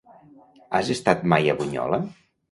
Has estat mai a Bunyola?